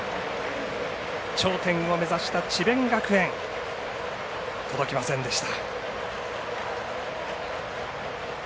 頂点を目指した智弁学園届きませんでした。